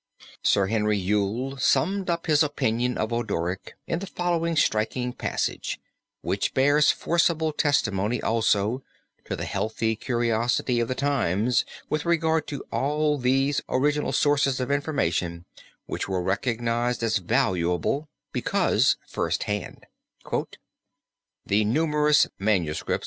Sir Henry Yule summed up his opinion of Odoric in the following striking passage which bears forcible testimony also to the healthy curiosity of the times with regard to all these original sources of information which were recognized as valuable because first hand: "The numerous MSS.